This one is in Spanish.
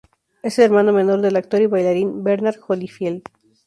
Es el hermano menor del actor y bailarín Bernard Holyfield.